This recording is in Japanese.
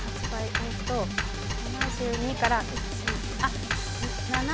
７２から。